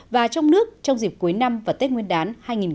và trong nước trong dịp cuối năm và tết nguyên đán hai nghìn một mươi chín